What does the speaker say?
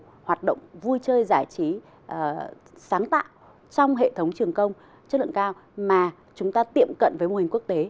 tham gia nhiều hoạt động vui chơi giải trí sáng tạo trong hệ thống trường công chất lượng cao mà chúng ta tiệm cận với mô hình quốc tế